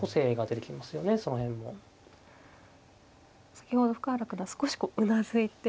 先ほど深浦九段少しこううなずいて。